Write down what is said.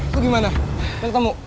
lu gimana udah ketemu